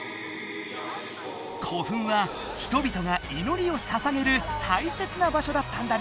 古墳は人々がいのりをささげるたいせつなばしょだったんだね。